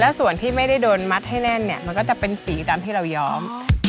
ส่วนที่ไม่ได้โดนมัดให้แน่นเนี่ยมันก็จะเป็นสีตามที่เรายอม